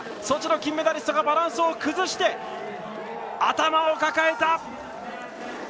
ソチの金メダリストがバランスを崩して頭を抱えた！